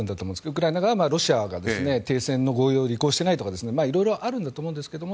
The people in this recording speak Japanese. ウクライナがロシアとの停戦合意をしていないとかいろいろあるんだと思うんですけど